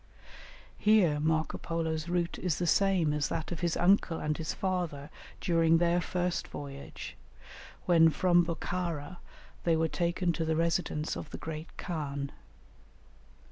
Here Marco Polo's route is the same as that of his uncle and his father during their first voyage, when from Bokhara they were taken to the residence of the great khan.